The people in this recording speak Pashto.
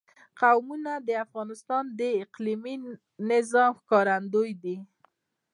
قومونه د افغانستان د اقلیمي نظام ښکارندوی ده.